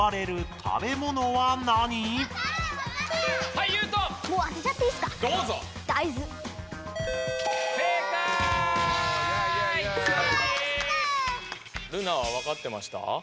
ルナはわかってました？